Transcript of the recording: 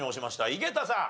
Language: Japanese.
井桁さん。